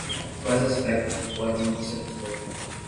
Quais aspectos do poema você gostou?